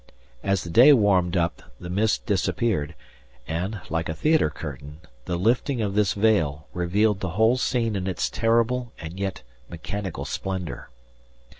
As the day warmed up the mist disappeared, and, like a theatre curtain, the lifting of this veil revealed the whole scene in its terrible and yet mechanical splendour.